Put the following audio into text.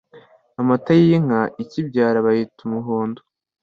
Amata yinka ikibyara bayita umuhondo